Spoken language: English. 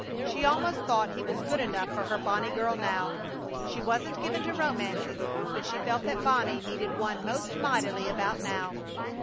She almost thought he was good enough for her Bonnie girl now. She wasn't given to romances, but she felt that Bonnie needed one most mightily about now.